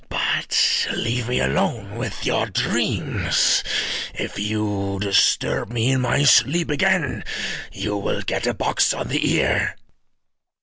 But leave me alone with your dreams: if you disturb me in my sleep again you will get a box on the ear."